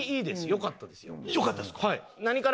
良かったですか？